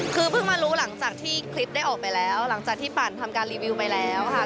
คือเพิ่งมารู้หลังจากที่คลิปได้ออกไปแล้วหลังจากที่ปั่นทำการรีวิวไปแล้วค่ะ